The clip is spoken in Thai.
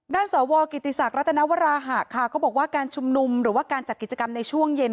สวกิติศักดิรัตนวราหะค่ะก็บอกว่าการชุมนุมหรือว่าการจัดกิจกรรมในช่วงเย็น